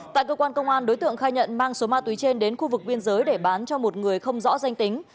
tại cơ quan công an đối tượng khai nhận mang số ma túy trên đến khu vực biên giới để bán cho một người không rõ danh tính